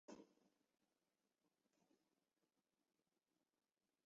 皕宋楼已被浙江省人民政府列为浙江省省级文物保护单位。